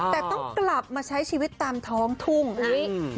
แต่ต้องกลับมาใช้ชีวิตตามท้องทุ่งเฮ้ย